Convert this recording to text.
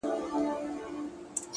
د وخت قدر د ځان قدر دی,